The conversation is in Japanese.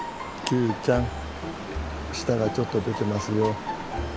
キュウちゃん舌がちょっと出てますよ。